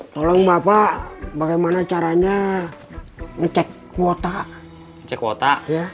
tolong bapak bagaimana caranya ngecek kuota